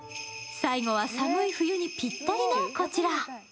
最後は寒い冬にぴったりのこちら。